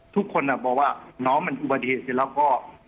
ทุกคนบอกว่าน้องมันอุบัติเหตุเสร็จแล้วก็